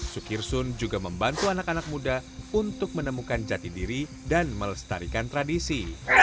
sukirsun juga membantu anak anak muda untuk menemukan jati diri dan melestarikan tradisi